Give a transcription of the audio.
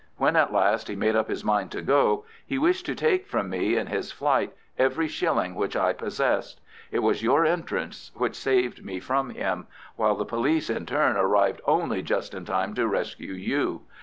When at last he made up his mind to go he wished to take from me in his flight every shilling which I possessed. It was your entrance which saved me from him, while the police in turn arrived only just in time to rescue you.